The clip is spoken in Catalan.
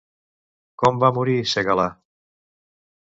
Com va morir Segalà?